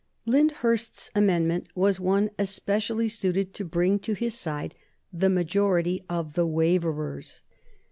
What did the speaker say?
Lyndhurst's amendment was one especially suited to bring to his side the majority of the Waverers.